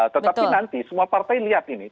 tetapi nanti semua partai lihat ini